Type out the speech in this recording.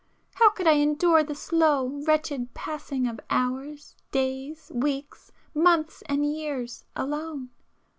How could I endure the slow, wretched passing of hours, days, weeks, months and years alone?